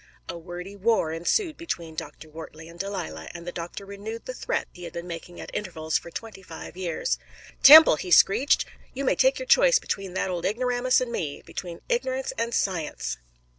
A wordy war ensued between Dr. Wortley and Delilah, and the doctor renewed the threat he had been making at intervals for twenty five years. "Temple," he screeched, "you may take your choice between that old ignoramus and me between ignorance and science!"